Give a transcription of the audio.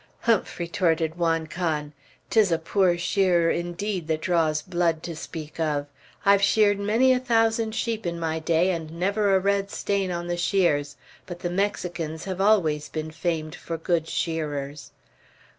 "Humph." retorted Juan Can. "'Tis a poor shearer, indeed, that draws blood to speak of. I've sheared many a thousand sheep in my day, and never a red stain on the shears. But the Mexicans have always been famed for good shearers."